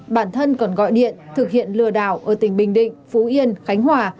bản thân còn gọi điện thực hiện lừa đảo ở tỉnh bình định phú yên khánh hòa